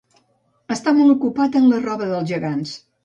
Estar molt ocupat en la roba dels gegants.